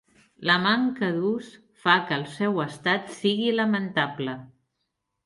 La manca d'ús fa que el seu estat sigui lamentable.